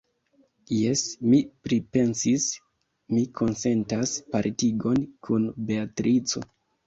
Jes, mi pripensis: mi konsentas partigon kun Beatrico.